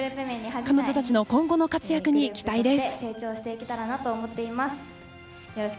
彼女たちの今後の活躍に期待です。